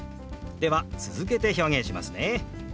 では続けて表現しますね。